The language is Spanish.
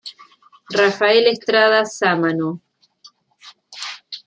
Rafael Estrada Sámano.